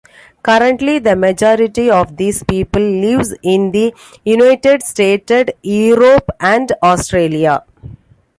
Currently, the majority of these people lives in the United Stated, Europe, and Australia.